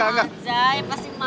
gak gak gak